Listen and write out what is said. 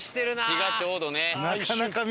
木がちょうどね。